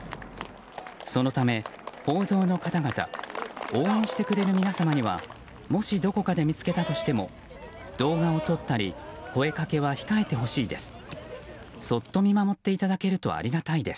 そのため、報道の方々応援してくれる皆様にはもしどこかで見つけたとしても動画を撮ったり声かけは控えてほしいです。